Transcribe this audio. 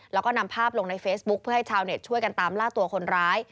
แล้วก็นำภาพลงในเฟซบุ๊คเพื่อให้ชาวเน็ตช่วยกันตามล่าตัวคนร้าย